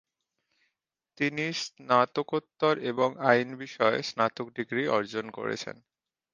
তিনি স্নাতকোত্তর এবং আইন বিষয়ে স্নাতক ডিগ্রি অর্জন করেছেন।